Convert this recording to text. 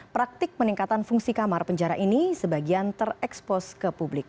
praktik peningkatan fungsi kamar penjara ini sebagian terekspos ke publik